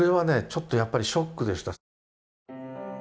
ちょっとやっぱりショックでした。